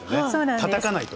たたかないと。